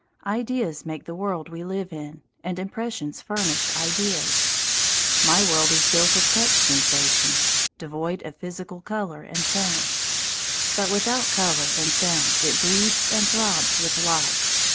Ideas make the world we live in, and impressions furnish ideas. My world is built of touch sensations, devoid of physical colour and sound; but without colour and sound it breathes and throbs with life.